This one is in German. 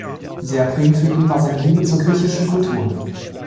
Sehr prägend für ihn war seine Liebe zur griechischen Kultur.